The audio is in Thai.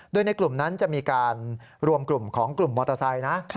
โดยในกลุ่มนั้นจะมีการรวมกลุ่มของกลุ่มมอเตอร์ไซค์นะ